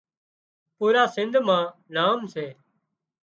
پُورا سنڌ مان نام سي